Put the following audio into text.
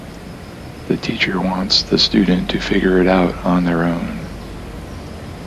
The teacher wants the student to figure it out on their own